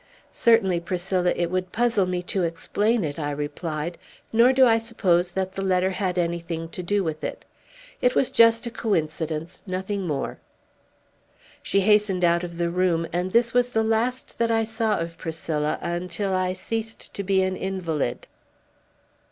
"Certainly, Priscilla, it would puzzle me to explain it," I replied; "nor do I suppose that the letter had anything to do with it. It was just a coincidence, nothing more." She hastened out of the room, and this was the last that I saw of Priscilla until I ceased to be an invalid.